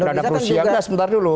terhadap rusia enggak sebentar dulu